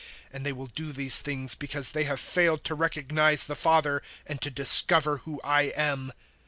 016:003 And they will do these things because they have failed to recognize the Father and to discover who I am.